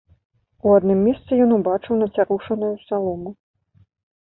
У адным месцы ён убачыў нацярушаную салому.